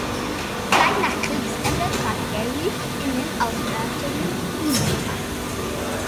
Gleich nach Kriegsende trat Gary in den Auswärtigen Dienst ein.